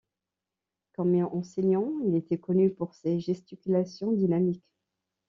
Comme enseignant, il était connu pour ses gesticulations dynamiques.